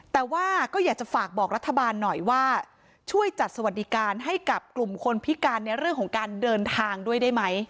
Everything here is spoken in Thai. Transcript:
แต่ว่าก็อยากจะฝากบอกรัฐบาลหน่อยว่าช่วยจัดสวัสดิการให้กับกลุ่มคนพิการในเรื่องของการเดินทางด้วยได้ไหม